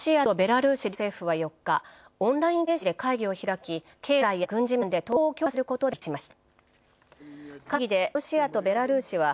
ロシアとベラルーシ両政府は４日、オンライン形式で会議を開き経済や軍事面で統合を強化することで一致しました。